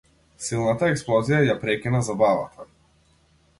Силната експлозија ја прекина забавата.